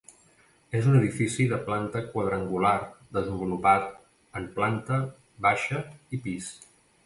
És un edifici de planta quadrangular desenvolupat en planta baixa i pis.